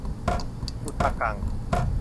อุทะกัง